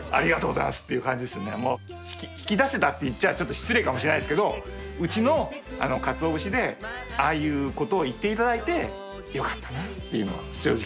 引き出せたって言っちゃ失礼かもしれないですけどうちのかつお節でああいうことを言っていただいてよかったなっていうのは正直。